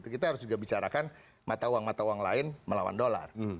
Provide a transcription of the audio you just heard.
kita harus juga bicarakan mata uang mata uang lain melawan dolar